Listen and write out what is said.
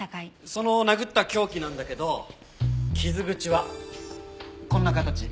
その殴った凶器なんだけど傷口はこんな形。